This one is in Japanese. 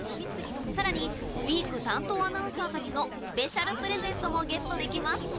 さらにウイーク担当アナウンサーたちのスペシャルプレゼントもゲットできます。